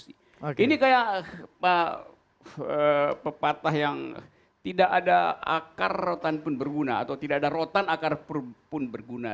ini kayak pepatah yang tidak ada akar rotan pun berguna atau tidak ada rotan akar pun berguna